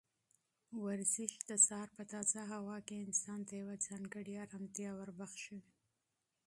ورزش د سهار په تازه هوا کې انسان ته یوه ځانګړې ارامتیا وربښي.